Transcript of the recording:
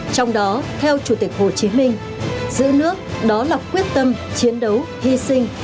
trong đó theo chủ tịch hồ chí minh giữ nước đó là quyết tâm chiến đấu hy sinh